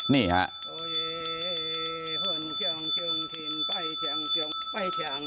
นี่ฮะ